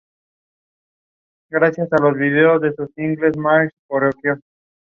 Tiene secciones de atletismo, boxeo y baloncesto.